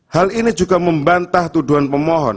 hal ini juga membantah tuduhan pemohon